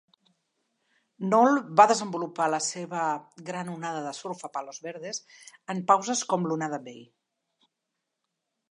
Noll va desenvolupar la seva gran onada de surf a Palos Verdes en pauses com Lunada Bay.